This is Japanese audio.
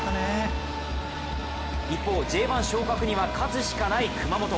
一方、Ｊ１昇格には勝つしかない熊本。